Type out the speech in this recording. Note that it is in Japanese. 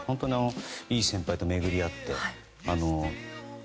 いい先輩と巡り会ってね。